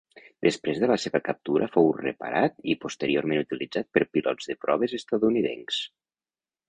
Després de la seva captura fou reparat i posteriorment utilitzat per pilots de proves estatunidencs.